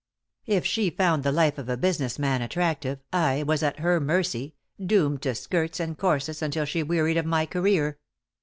If she found the life of a business man attractive, I was at her mercy, doomed to skirts and corsets until she wearied of my career.